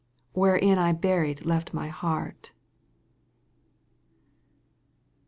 Wherein I buried left my heart.